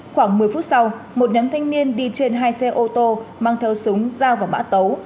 khoảng một mươi phút sau một nhóm thanh niên đi trên hai xe ô tô mang theo súng dao vào mã tấu